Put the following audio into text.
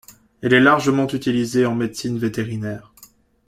Elle est largement utilisée en médecine vétérinaire.